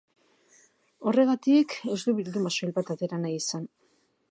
Horregatik, ez du bilduma soil bat atera nahi izan.